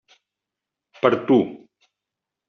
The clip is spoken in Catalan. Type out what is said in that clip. Per tu.